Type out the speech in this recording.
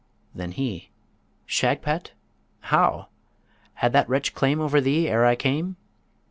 Then he: 'Shagpat? How? had that wretch claim over thee ere I came?'